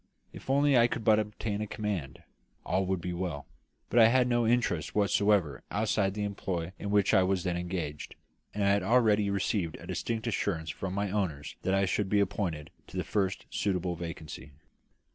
If only I could but obtain a command, all would be well; but I had no interest whatever outside the employ in which I was then engaged; and I had already received a distinct assurance from my owners that I should be appointed to the first suitable vacancy.